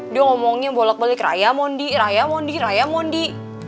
dia ngomongnya bolak balik raya mondi raya mondi raya mondi